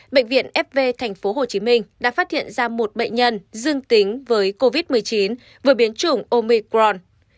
bệnh viện fv tp hcm đã phát hiện ra một bệnh nhân dương tính với covid một mươi chín vừa biến chủng omicron